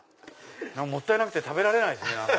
もったいなくて食べられないです。